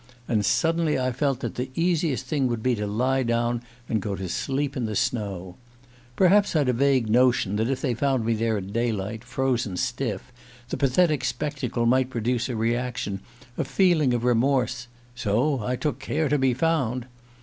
And suddenly I felt that the easiest thing would be to lie down and go to sleep in the snow. Perhaps I'd a vague notion that if they found me there at daylight, frozen stiff, the pathetic spectacle might produce a reaction, a feeling of remorse. ... So I took care to be found!